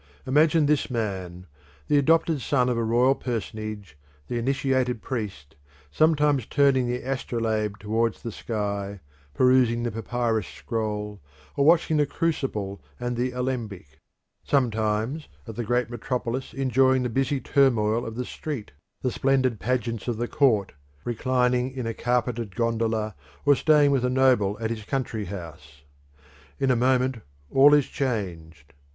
Imagine this man, the adopted son of a royal personage, the initiated priest, sometimes turning the astrolabe towards the sky, perusing the papyrus scroll, or watching the crucible and the alembic; sometimes at the great metropolis enjoying the busy turmoil of the street, the splendid pageants of the court, reclining in a carpeted gondola or staying with a noble at his country house. In a moment all is changed.